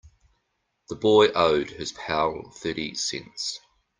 The boy owed his pal thirty cents.